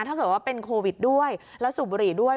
ถ้าเกิดว่าเป็นโควิดด้วยแล้วสูบบุหรี่ด้วย